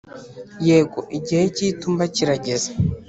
yego, igihe cy'itumba kirageze.